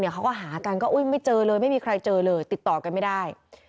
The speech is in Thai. เขาก็หากันก็ไม่เจอเลยไม่มีใครเจอเลยติดต่อกันไม่ได้